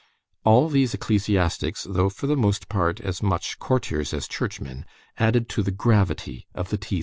All these ecclesiastics, though for the most part as much courtiers as churchmen, added to the gravity of the T.